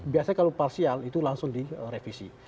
biasanya kalau parsial itu langsung direvisi